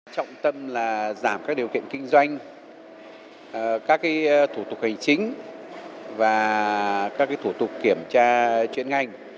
trọng tâm là giảm các điều kiện kinh doanh các thủ tục hành chính và các thủ tục kiểm tra chuyên ngành